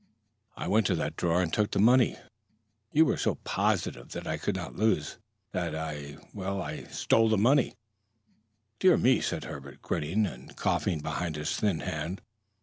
I went into that drawer and took that money. You were so positive that I could not lose that I well, I stole the money." "Dear me!" said Herbert, grinning and coughing behind his thin hand.